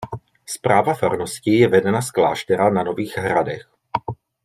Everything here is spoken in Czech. Správa farnosti je vedena z kláštera na Nových Hradech.